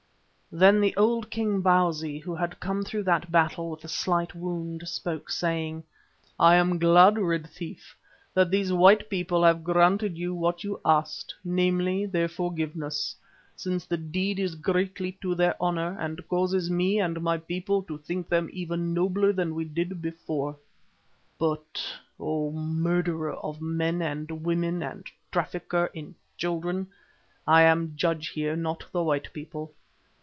Then the old king, Bausi, who had come through that battle with a slight wound, spoke, saying: "I am glad, Red Thief, that these white people have granted you what you asked namely, their forgiveness since the deed is greatly to their honour and causes me and my people to think them even nobler than we did before. But, O murderer of men and women and trafficker in children, I am judge here, not the white people.